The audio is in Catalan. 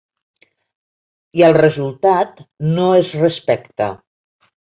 I el resultat no es respecta.